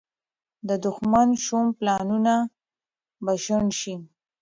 د دښمن شوم پلانونه به شنډ شي.